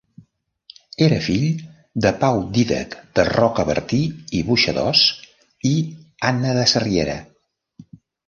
Era fill de Pau Dídac de Rocabertí i Boixadors i Anna de Sarriera.